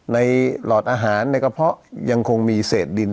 หลอดอาหารในกระเพาะยังคงมีเศษดิน